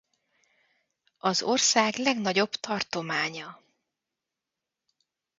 Az ország legnagyobb tartománya.